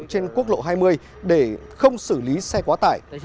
trên quốc lộ hai mươi để không xử lý xe quá tải